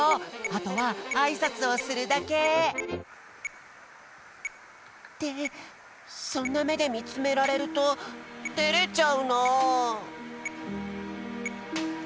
あとはあいさつをするだけ！ってそんなめでみつめられるとてれちゃうな。